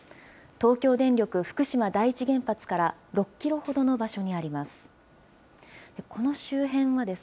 東京電力福島第一原発から６キロほどの場所にあります。